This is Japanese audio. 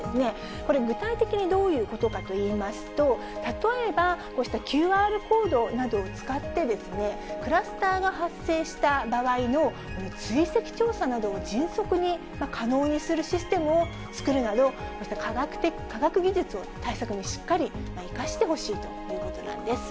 これ、具体的にどういうことかといいますと、例えば、こうしたＱＲコードなどを使って、クラスターが発生した場合の追跡調査などを迅速に可能にするシステムを作るなど、こうした科学技術を対策にしっかり生かしてほしいということなんです。